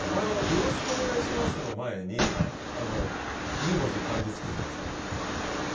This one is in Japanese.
よろしくお願いしますの前に２文字、漢字がつくじゃないですか。